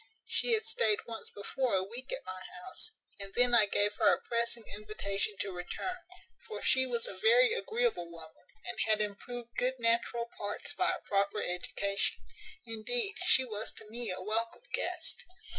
She had staid once before a week at my house, and then I gave her a pressing invitation to return; for she was a very agreeable woman, and had improved good natural parts by a proper education. Indeed, she was to me a welcome guest.